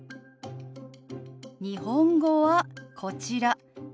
日本語はこちら「何時？」